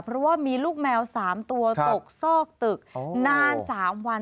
เพราะว่ามีลูกแมว๓ตัวตกซอกตึกนาน๓วัน